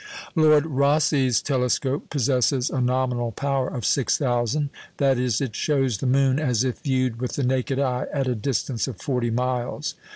Lord Rosse's telescope possesses a nominal power of 6,000 that is, it shows the moon as if viewed with the naked eye at a distance of forty miles.